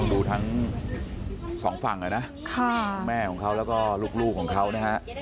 ดูทั้งสองฝั่งนะแม่ของเขาแล้วก็ลูกของเขานะฮะ